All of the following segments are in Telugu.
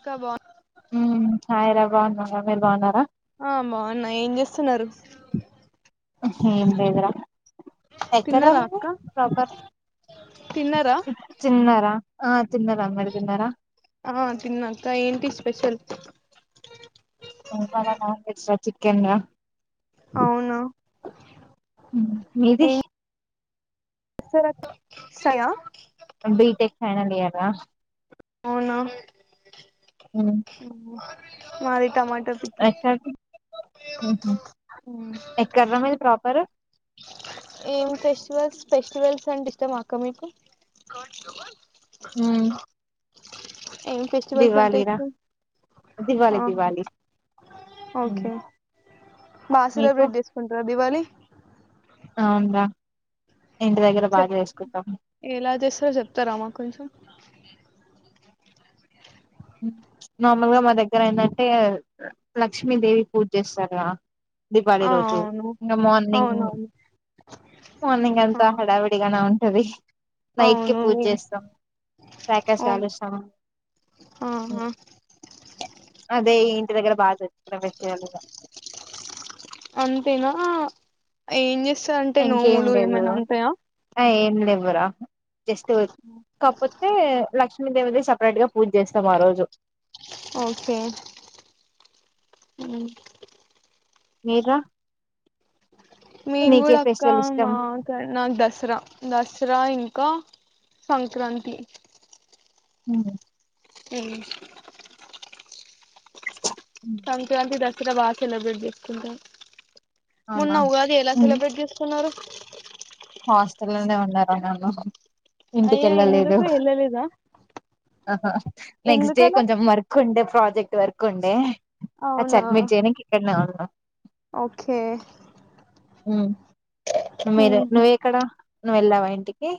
అక్క బా హ్మ్ సాయిరాం బాగున్నం ర మీరు బాగున్నారా ఆ బావున్నా ఏం జేస్తున్నారు ఏం లేదురా ఎక్కడ తిన్నారా నువ్వు అక్క ప్రాపర్ తిన్నారా చిన్నరా ఆ తిన్నారా మీరు తిన్నారా ఆ తిన్నాక్క ఏంటి స్పెషల్ ఇంకా మా నాన్ వెజ్ లా చికెన్ రా అవునా మీది సర శయా [unintelligible] బీటెక్ ఫైనల్ ఇయర్ రా అవునా ఉమ్, మాది టమాటో పికిీల్ ఎక్కడ ఉహు ఎక్కడరా మీది ప్రాపర్ ఏం పెస్టివల్స్ ఫెస్టివల్స్ అంటే ఇష్టమా అక్క మీకు హ్మ్ ఏం ఫెస్టివల్స్ అంటే ఏంటిది దివాళి ఆహా దివాళి ఓకే బాగా సెలబ్రేట్ చేసుకుంటారా దీవాళి అవున్రా చెప్ ఎలా చేస్తారో చెప్తారా మాకు కొంచెం నార్మల్గా మా దగ్గర ఏంటంటే లక్ష్మీదేవి పూజ చేస్తారు కదా దీవాళి ఆ రోజు అవును ఇంకా మార్నింగ్ అవునవును మార్నింగ్ ఆ అంతా హడావిడిగానే హు తావి నైట్ కి అవును పూజ చేస్తాం క్రాకర్స్ ఓ కాలుస్తాం ఆహా అదే ఇంటి దగ్గర బాగా తెచ్చుకు ఫెస్వల్గా అంతేనా ఎంచెస్ స్ అంటే నోములు ఏమైనా ఉంటాయా ఇపురా జస్ట్ కాకపోతే లష్ ఏమంది సపరేట్ గ పూజెస్తాం ఆ రోజు ఒకే హ్మ్ మీరు మీన్ కూడా అక్క మాక్క నాకు దసర దస్ సరా ఇంక సంక్రాంతి హ్మ్ హ్మ్ సంక్రాంతి దసర బా సెలబ్రేట్ చేసుకుంటాం అవునా మొన్న ఉగాది ఎలా సెలబ్రేట్ చేసుకున్నారు హాస్టల్ లోనే ఉన్నా రా నేను ఇంటికి అయ్యా వెళ్ళలేదు ఎందుకు వెళ్ళలేదా నెక్స్ట్ డే ఎందుకలా కొంచెం వర్క్ ఉండే ప్రాజెక్ట్ వర్క్ ఉండే అద్ అవునా సబ్మిట్ చేయడనికి ఇక్కడనే వున్ ఆ ఓకే ఉమ్ హుం నువ్వేక్కడా నువ్ వెళ్ళావ ఇంటికి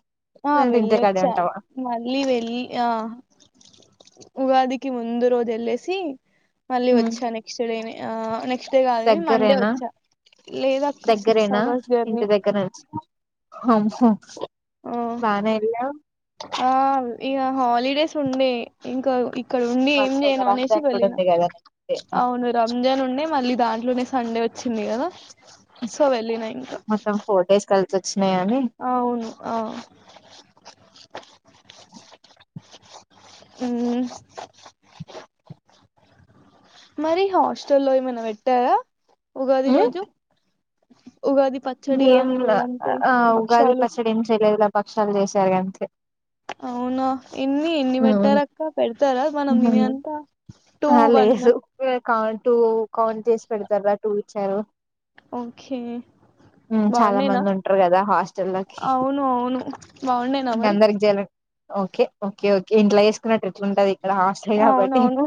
ఆ లేదంటే ఇంటికాడే వెళ్ళొచ్చా ఉంటావా మళ్ళీ వెళ్లి ఆ ఉగాదికి ముందు రోజు ఎల్లేసి మళ్లీ హ్మ్. వచ్చా నెక్స్ట్ డేనే ఆ న నెక్స్డే కాదు మండే దగ్గరేనా వచ్చా లేదక్క సిక్స్ అవర్స్ జర్నీ హుం హు ఆ బానే వెళ్ళావ్ ఇగా హాలిడేస్ ఉండే ఇంకా ఈ ఇక్కడ ఉండి ఏం వరుసగా చేయను అనేసి రంజాన్ కూడా వెళ్ళిన ఉంది కదా నెక్స్ట్ డే. ఆహా! అవును రంజాన్ ఉండే మళ్ళీ దాంట్లోనే సండే వచ్చి చిన్ని కదా సో వెళ్ళిన ఇంకా మొత్తం ఫోర్ డేస్ కల్ అవును ఆ మ్మ్ మరి హాస్టల్లో ఏమైనా వేట్టారా ఉగాది రోజు ఉగాది పచ్చడి ఏం గాని లేదంటే ఆ ఉగాది భక్షాలు పచ్చడి ఏం చేయలేదు ల పక్షాలు చేశారు గంతే అవునా ఎన్ని ఎన్ని పెట్టారక్క పెడతారా మనం తినే అంతా టూ ఆ వన్ లేదు కౌ టూ కౌంట్ చేసి పెడతారా టూ ఇచ్చారు ఓకే మ్మ్ చాలా బాగుండేనా మంది ఉంటారు కదా హాస్టల్కి అవును అవును బాగుండేనా ఇంగా మరి అందరికి జేయ ఓకే ఓకే ఓకే ఇంట్లా జేసుకున్నట్టు ఎట్లుంటది ఇక్కడ హాస్టల్ కాబట్టి అవునవును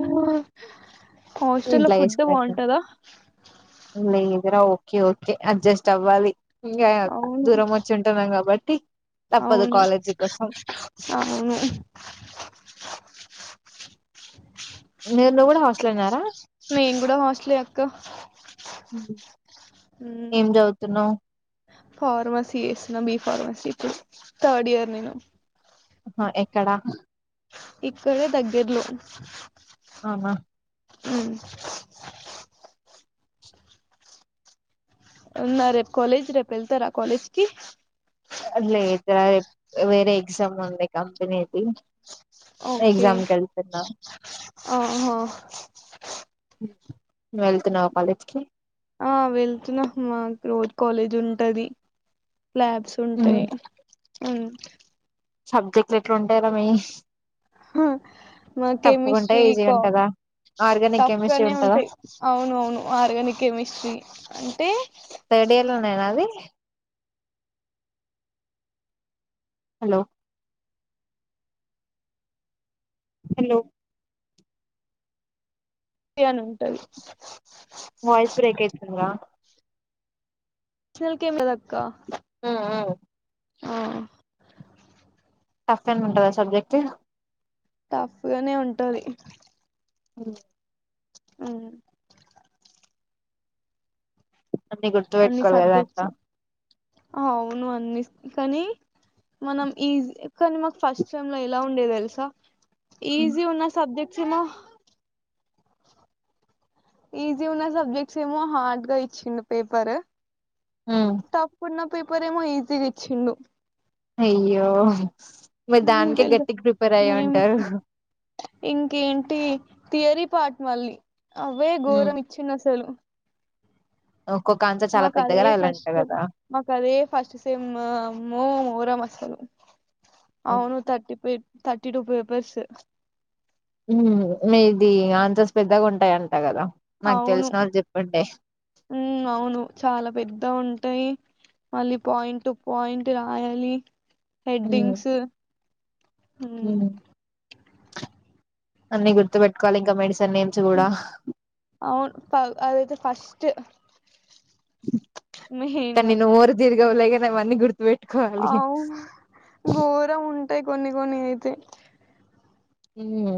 హాస్టల్ లో ఇంట్లో ఫుడ్ చేసుకున్నట్టు బాగుంటందా లేదురా ఓకే ఓకే అడ్జస్ట్ చవ్వాలి ఇంకా అవును దూరం వచ్చి ఉంటున్నాం కాబ అవును అవును నేను కూడా హోస్ట్ స్టల్ నారా నెన్ కూడా హోస్టలే అక్క ఏం చదువుతున్నావ్ ఫార్మసీ ఎసిన బి ఫార్మసీ ఇప్పుడు థర్డ్ ఇయర్ నేను ఎక్కడా ఇక్కడే దగ్గర్లో ఆహా మ్మ్ ఉందా రేపు కాలేజ్ రేపు వెళ్తారా కాలేజ్కి లేద్ర వేరే ఎగ్జామ్ ఉంది కంపెనీ ది ఓకే ఎగ్జామ్కి వెళ్తున్నా ఆహా ను వెళ్తున్నావ కాలేజ్కి ఆ వెళ్తున్నా మాకు రోజు కాలేజ్ ఉంటది లాబ్స్ హ్మ్ ఉంటాయ్ మ్ సబ్జెక్ట్లు ఎట్లుంటయిరా మీయీ మా కెమిస్ట్రీ ఉంటాయా ఈజీగా కామ్ ఉంటదా ఆర్గానిక్ టఫ్ కెమిస్ట్రీ గానే ఉంటదా ఉంటాయి అవును అవును ఆర్గానిక్ కెమిస్ట్రీ అంటే థర్డ్ ఇయర్ లోనేనా అది హలో హలో అని ఉంటది. వాయిస్ బ్రేక్ అయితుంది రా కేం లేద్ అక్కా హ్మ్ హ్మ్ ఆ టఫ్ ఏమన్న ఉంటదా సబ్జెక్ట్ టఫ్గానే ఉంటది. మ్ అన్నీ అన్ని గుర్తుపెట్టుకోవాలి గదా అక్కా సబ్జెక్ట్స్ అవును అన్నీ కానీ మనం ఈజ్ కాని మాకు ఫస్ట్ సెమ్లో ఎలా ఉండే తెల్సా ఈజీ ఉన్న సబ్జెక్ చిన్న ఈజీ ఉన్న సబ్జెక్ట్స్ ఏమో హార్డ్ గా ఇచ్చిండు పేపర్ టఫ్ ఉన్న పేపరేమో ఈజీ గిచ్చిండు. అయ్యో! మీర్ దానికే తెలుసా గట్టిగ్ ప్రిపేర్ అయ్యి ఉంటారు. ఇంకేంటీ థియరీ పార్ట్ మళ్ళీ అవే ఘోరం ఇచ్చిండ్ అసలు ఒక్కొక్క ఆన్సర్ చాలా మాకు పెద్దగా అదే రాయాలంట ఫస్ట్ కదా మాకు అదే ఫస్ట్ సెమ్ అమ్మో ఘోరం అస హలో అవును థర్టీ పిట్ థర్టీ టూ పేపర్స్ హ్మ్ మీదీ ఆన్సర్స్ పెద్దగుం ఉంటాయంట గదా అవును మ్ అవును చాలా పెద్దవుంటయీ మళ్ళి పాయింట్టు పాయింట్ రాయాలీ హెడ్డింగ్స్ హ్మ అన్నీ గుర్తు పెట్టుకోవాలింక మెడ్స్ ఆ అవును కాదు అదైతే ఫస్ టు కానీ నోరు ఈగో లేదని గుర్తు పెట్టు అవు గోరం ఉంటాయి కొన్ని కొన్ని అయితే ఉమ్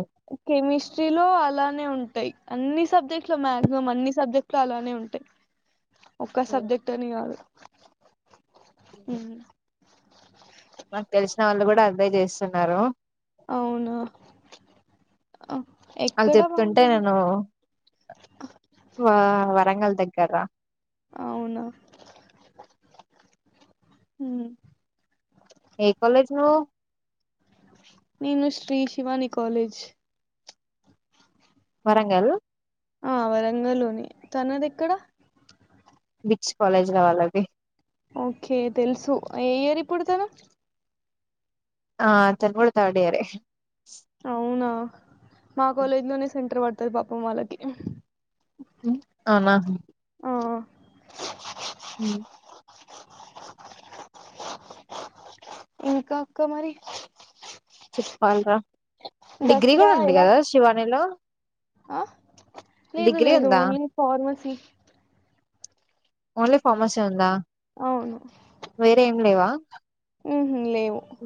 హస్ట్రీ లో అలానే ఉంటాయి అన్ని సబ్జెక్ట్ లో మ్యాక్సిమం అన్ని సబ్జెక్ట్ లో అలానే ఉంటాయి ఒక్క సబ్జెక్ట్ అని కాదు హ్మ్ నాక్ తెల్సిన వాళ్ళు కూడా అవే చేస్తున్నారు. అవునా క్ అల్ చెప్తుంటే నేను వా వరంగల్ దగ్ గ్గర అవునా హ్మ్ ఏ కాలేజ్ నువ్వు నేను శ్రీ శివని కాలేజ్ వరంగల్ ఆ వరంగల్ లోనే తనదేక్కడ బిచ్ కాలేజ్ వాళ్ళది ఓకే తెల్సు ఏ ఇయరు ఇప్పుడు తను ఆ తనుకూడా థర్డ్ ఇయర్ యే అవునా మా కాలేజ్ లోనే సెంటర్ పడ్ర్ ది పాపం వాలకి అవునా ఆ హుమ్ ఇంకా అక్క మరి చేప్పాల్రా డిగ్రీ కూడా దసరా ఉంది ఎలా కదా శివానిలో ఆ లేదు డిగ్రీ లేదు ఉందా ఓన్లీ ఫార్మసీ ఓన్లీ ఫామసి ఉందా అవును వేరే ఏం లేవా ఊహు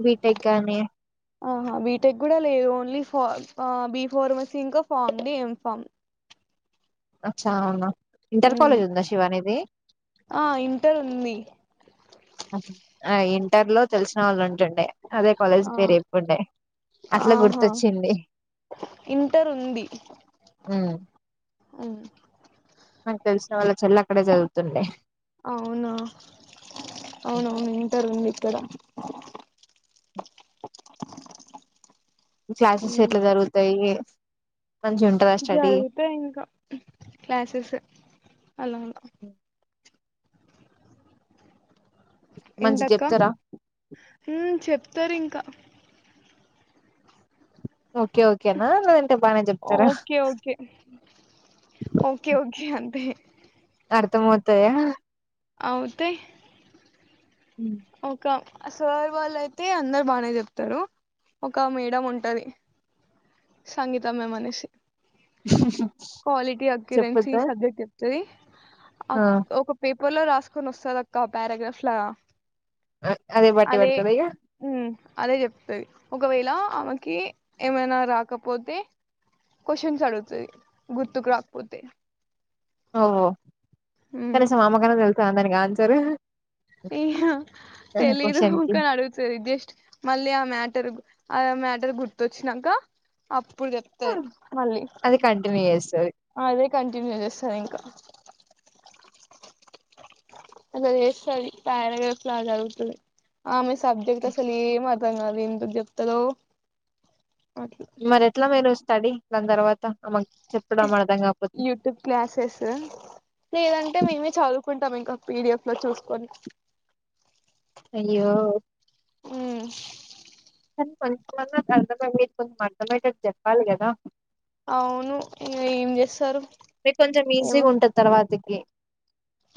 బీటెక్ గానీ. ఆహా బీటెక్ కూడా లేవు. ఓన్లీ ఫార్మ్ ఆ బి ఫార్మసీ ఇంకా ఫామ్ డి, ఎం ఫామ్. అచ్చా అవునా. ఊ ఇంటర్ కాలేజ్ ఉందా శివానిది ఆ ఇంటర్ ఉంది. ఆ ఇంటర్లో తెలిసిన వాళ్ళున్. టండి అదే కాలేజ్ ఆ పేరు ఎప్పండే అట్ల ఆహా గుర్తొచ్చింది. ఇంటర్ ఉంది ఊ ఉమ్. నాక్ తెల్సిన వాళ్లక్. చెల్లక్కడే చదువుతుండే. అవునా అవునవును ఇంటర్ ఉంది ఇక్కడ్. డ. చాసెస్ ఎట్ల జరుగుతాయి. మంచిగా ఉంటదా స్టడీ జరుగుతయ్ ఇంకా క్లాసస్ అలా అలా. మంచిగా ఏంటక్క చెప్తారా ఊ చెప్ ప్తరింక. ఓకే ఓకేనా లేదంటే బానే చెప్తారా ఓకే ఓకే ఓకే ఓకే అంతే. అర్థంమవుతాయా. అవుతయ్ ఒక. ఆ సార్ వాళ్లైతే అందరు బానే చెప్తారు. ఒక మేడం ఉంటది. సంగీతమే మనిషి. క్వాలిటీ చెప్పొద్దా అకిరెన్సిస్ సబ్జెక్ట్ చెప్తది. ఆ అక్ ఒక పేప్. పర్ లో రాసుకొని వస్తదక్క పారాగ్రాఫ్లాలా. అ అదే బట్టి పడతదా ఇగ. ఉమ్ అదే చెప్తది. ఒకవేళ ఆమెకి ఏమైనా రాకపోతే కొషన్స్ అడుగుతది. గుర్తుకు రాకపోతే. ఓహో ఉమ్ కనీసం ఆమెకైనా తెలుసా దానిక్. గాన్సరూ. ఈ హ తెలీదు. కి కానీ అడుగుతుంది జస్ట్ మళ్ళీ ఆ మ్యాటర్ గుర్ ఆ మేటర్ గుర్తొచ్చినంక అప్. ప్పుడు చెప్తది. మళ్ళీ అది కంటిన్యూ చేస్తది అదే. కంటిన్యూ చేస్తదింక. అట్ల చేస్తది. ప్యారాగ్రఫ్ లా చదువుతది. ఆమె సబ్జెక్ట్ అసలు ఏం అర్థం గా. ఎందుక్ చెప్తదో. అర్ మరి ఎట్లా మీరు స్టడీ దాని తర్వాత ఆమెక్ యూట్యూబ్ క్లాసెస్ లేదంటే మేమే చదువుకుంటాం ఇంకొ పి డి ఎఫ్ లో చూసుకొని అయ్యో ఉమ్మ్ [unintelligible] కొంచం అర్థమయ్యటట్టు చెప్పాలి కదా అవును ఏం చేస్తారు ఏమో ఏ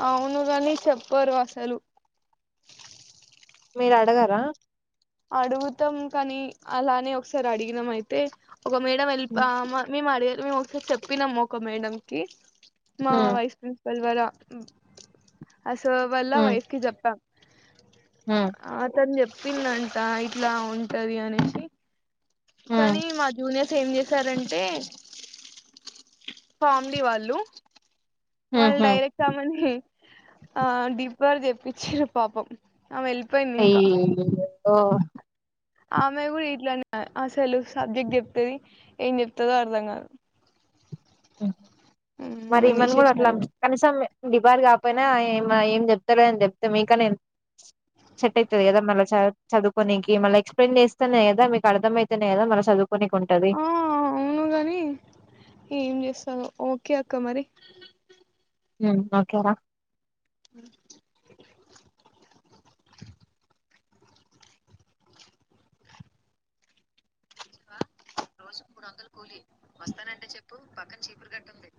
అవును కాని చెప్పరు అసలు మీరు అడగరా అడుగుతాం కానీ అలానే ఒకసారి అడిగినాం అయితే ఒక మేడం వెళ్ళి హ్మ్ పా ఆ మేము అడగ మేము ఒకసారి చెప్పినాం ఒక మేడం కి మా హ్మ్ వైస్ ప్రిన్సిపల్ వేరా [unintelligible] అ సో వాళ్ళ హ్మ్ వైఫ్ కి జెప్పాం హ్మ్ ఆ తను చెప్ ప్పిందన్ అ ఇట్లా ఉంటది అని కనీ మా జూనియర్ ఏం చేసారంటే ఫామిలీ వాళ్ళు హ్మ్ వాళ్ళు హ్మ్ డైరెక్ట్ [unintelligible] మని ఆ డీబారు చేపిచ్చిర్రు పాపం ఆమె వెళ్ళిపోయింది [unintelligible] ఓ ఆమే కూడా ఇట్లానే అసలు సబ్జెక్ట్ చెప్పేది ఏం చెప్తాదో అర్థం కాదు [unintelligible] మరి ఆమెను ఈమను కూడా అట్లా తీసేసినారు ఇగ కనీసం డిబార్ కాకపోయినా ఈమె ఏం చెప్తలేదని చెప్తే మీకన్నా సెట్ ఐతది కదా మళ్ళీ చదుకోనీకి మళ్ళ ఎక్స్ప్లెయిన్ చేస్తేనే కదా మీకు అర్థంమయితేనే కదా మళ్ళ చదువు ఆ అవును గాని ఏం చేస్తా ఓ ఓకే అక్క మరి మ్ ఓకే రా అ రోజుకు మూడు వందలు కూలి వస్తానంటే చెప్పు పక్కన చీపురు కట్టుంది